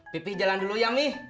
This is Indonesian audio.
pipih jalan dulu ya mi